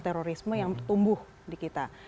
terorisme yang tumbuh di kita